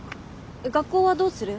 学校はどうする？